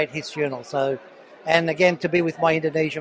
dan saya juga ingin berada bersama teman teman indonesia